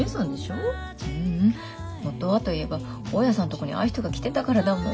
ううん元はと言えば大家さんとこにああいう人が来てたからだもん。